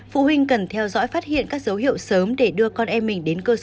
phụ huynh cần theo dõi phát hiện các dấu hiệu sớm để đưa con em mình đến cơ sở y tế kịp thời